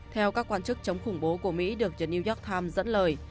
theo các quan chức chống khủng bố của mỹ được then new york times dẫn lời